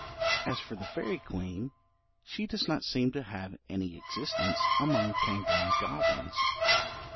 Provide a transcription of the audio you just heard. As for the fairy queen, she does not seem to have any existence among Cambrian goblins.